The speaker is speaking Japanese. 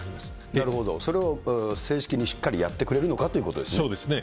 なるほど、それを正式にしっかりやってくれるのかということですね。